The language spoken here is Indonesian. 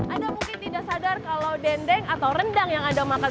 anda mungkin tidak sadar kalau dendeng atau rendang yang anda makan